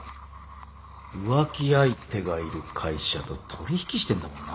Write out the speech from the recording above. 浮気相手がいる会社と取引してんだもんな。